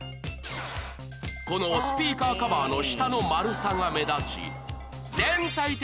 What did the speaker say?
このスピーカーカバーの下の丸さが目立ち